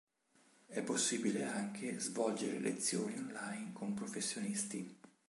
È possibile anche svolgere lezioni online con professionisti.